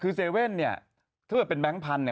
คือเซเว่นเนี่ยถ้าเกิดเป็นแบงค์พันเนี่ย